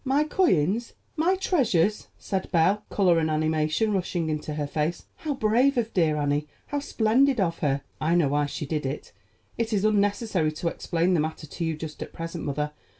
"My coins! my treasures!" said Belle, color and animation rushing into her face. "How brave of dear Annie: how splendid of her! I know why she did it; it is unnecessary to explain the matter to you just at present, mother.